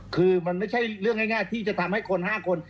คือมันไม่ใช่เรื่องง่ายที่จะทำให้คน๕คน